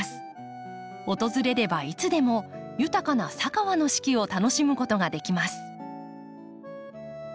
訪れればいつでも豊かな佐川の四季を楽しむことができます。